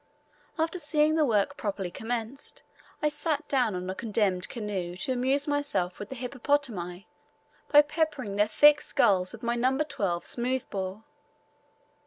After seeing the work properly commenced, I sat down on a condemned canoe to amuse myself with the hippopotami by peppering their thick skulls with my No. 12 smooth bore.